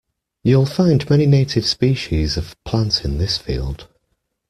You'll find many native species of plant in this field